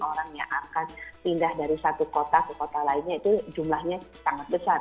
orang yang akan pindah dari satu kota ke kota lainnya itu jumlahnya sangat besar